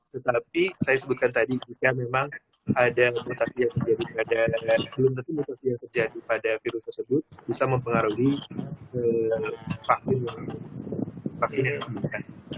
tetapi saya sebutkan tadi jika memang ada notasi yang terjadi pada virus tersebut bisa mempengaruhi vaksin yang diperkenalkan